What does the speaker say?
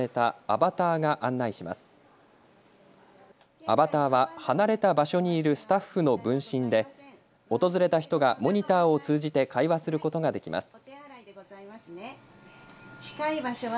アバターは離れた場所にいるスタッフの分身で訪れた人がモニターを通じて会話することができます。